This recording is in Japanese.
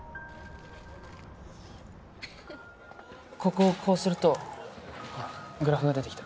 ここをこうするとほらグラフが出てきた